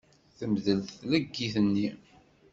Temdel tleggit-nni.